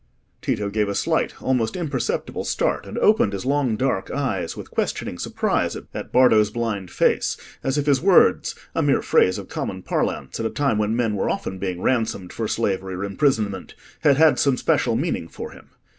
Tito gave a slight, almost imperceptible start, and opened his long dark eyes with questioning surprise at Bardo's blind face, as if his words—a mere phrase of common parlance, at a time when men were often being ransomed from slavery or imprisonment—had had some special meaning for him.